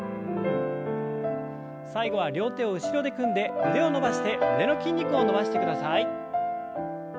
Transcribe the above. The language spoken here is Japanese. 最後は両手を後ろで組んで腕を伸ばして胸の筋肉を伸ばしてください。